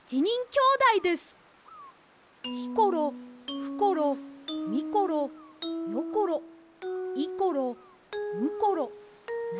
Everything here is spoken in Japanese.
ひころふころみころよころいころむころなころ